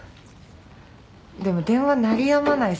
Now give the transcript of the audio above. でも電話鳴りやまないっす。